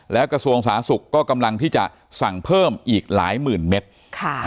แล้วกระทรวงสาธารณสุขก็กำลังที่จะสั่งเพิ่มอีกหลายหมื่นเมตร